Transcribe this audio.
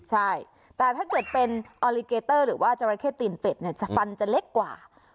ใช่แต่ถ้าเกิดเป็นออลิเกเตอร์หรือว่าจราเข้ตีนเป็ดเนี่ยฟันจะเล็กกว่า